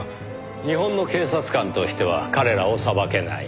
日本の警察官としては彼らを裁けない。